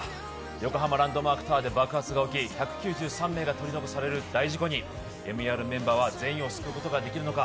横浜ランドマークタワーで爆発が起き１９３名が取り残される大事故にＭＥＲメンバーは全員を救うことができるのか。